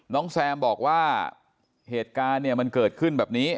แซมบอกว่าเหตุการณ์เนี่ยมันเกิดขึ้นแบบนี้